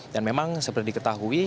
dan memang seperti diketahui